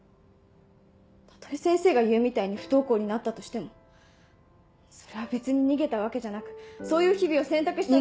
たとえ先生が言うみたいに不登校になったとしてもそれは別に逃げたわけじゃなくそういう日々を選択しただけで。